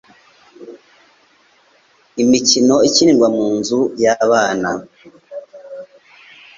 Imikino ikinirwa mu nzu yabana.